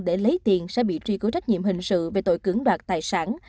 để lấy tiền sẽ bị truy cứu trách nhiệm hình sự về tội cưỡng đoạt tài sản